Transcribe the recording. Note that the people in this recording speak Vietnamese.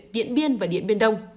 điện biên và điện biên đông